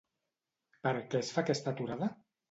Per què es fa aquesta aturada?